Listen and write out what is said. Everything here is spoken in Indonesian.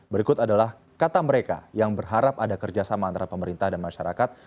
berikut adalah kata mereka yang berharap ada kerjasama antara pemerintah dan masyarakat